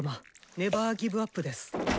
ネバーギブアップです。